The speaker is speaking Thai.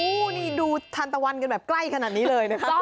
โอ้โหนี่ดูทันตะวันกันแบบใกล้ขนาดนี้เลยนะคะ